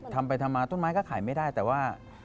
ทำไปทำมาต้นไม้ก็ขายไม่ได้แต่ว่า